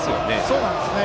そうなんですよね。